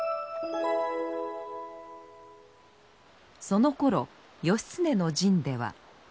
そのころ義経の陣では。